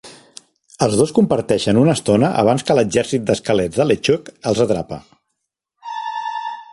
Els dos comparteixen una estona abans que l'exèrcit d'esquelets de LeChuck els atrapa.